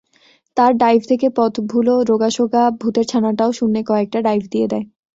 তার ডাইভ দেখে পথভুলো রোগাসোগা ভূতের ছানাটাও শূন্যে কয়েকটা ডাইভ দিয়ে দেয়।